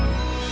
ada pun adam